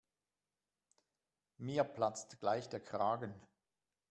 Mir platzt gleich der Kragen.